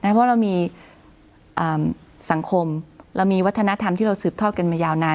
เพราะเรามีสังคมเรามีวัฒนธรรมที่เราสืบทอดกันมายาวนาน